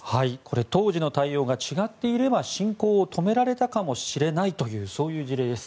当時の対応が違っていれば侵攻を止められたかもしれないというそういう事例です。